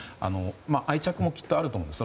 愛着もきっとあると思うんです